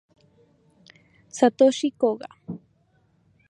Satoshi Koga